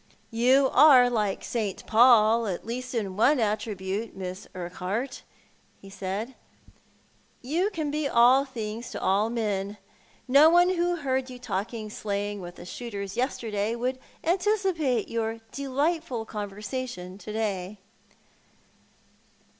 "You are like St. Paul at least in one attribute. Miss Urquhart," he said. " You can be all things to all men. No one who heard you talking slang with the shooters yesterday would anticipate your delightful conversation to day."